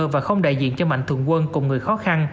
và không đại diện cho mạnh thường quân cùng người khó khăn